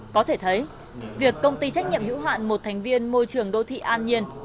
có thể thấy việc công ty trách nhiệm hữu hạn một thành viên môi trường đô thị an nhiên